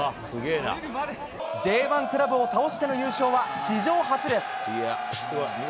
Ｊ１クラブを倒しての優勝は史上初です。